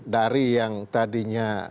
dari yang tadinya